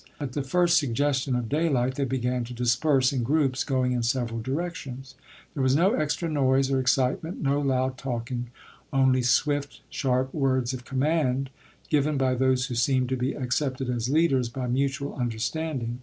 At the first suggestion of daylight they began to disperse in groups, going in several directions. There was no extra noise or excitement, no loud talking, only swift, sharp words of command given by those who seemed to be accepted as leaders by mutual understanding.